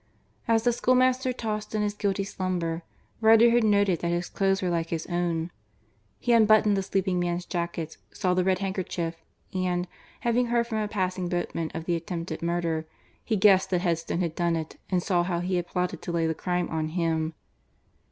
As the schoolmaster tossed in his guilty slumber, Riderhood noted that his clothes were like his own. He unbuttoned the sleeping man's jacket, saw the red handkerchief, and, having heard from a passing boatman of the attempted murder, he guessed that Headstone had done it and saw how he had plotted to lay the crime on him.